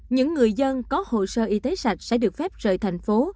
những người dân có hồ sơ y tế sạch sẽ được phép rời thành phố